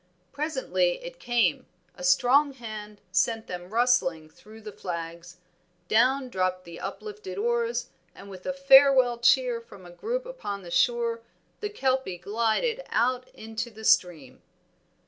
Presently it came, a strong hand sent them rustling through the flags, down dropped the uplifted oars, and with a farewell cheer from a group upon the shore the Kelpie glided out into the stream.